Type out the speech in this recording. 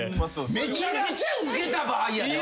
めちゃくちゃウケた場合やでお前。